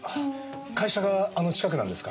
会社があの近くなんですか？